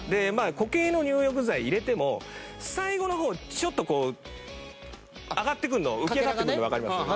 固形の入浴剤入れても最後の方ちょっとこう上がってくるの浮き上がってくるのわかります？